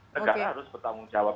negara harus bertanggung jawab